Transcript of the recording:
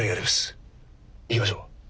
行きましょう。はあ。